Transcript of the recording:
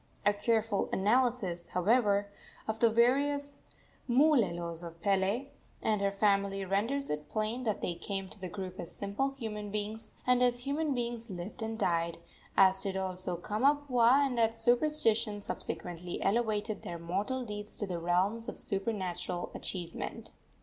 A careful analysis, however, of the various mooolelos of Pele and her family renders it plain that they came to the group as simple human beings, and as human beings lived and died, as did also Kamapuaa, and that superstition subsequently elevated their mortal deeds to the realms of supernatural achievement.